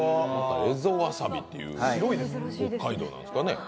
蝦夷わさびっていう北海道なんですかね。